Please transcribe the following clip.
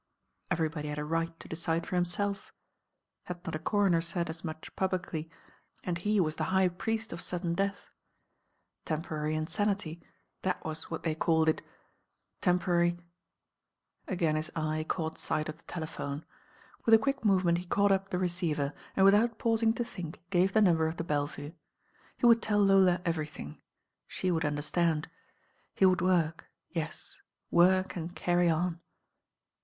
Everybody had a right to decide for himself. Had not a coroner said as much publicly, and he was the Mi THE RAIN OIRL hlgb priett of Midden death? Temporary inianitf, that was what they called it, temporary Again hit eye caught tight of the telephone. With a quick movement he caught up the receiver and, without pauiing to think, gave the number of the Belle Vue. He would tell Lola everything. She would underttand. He would work, yet, work and carry on.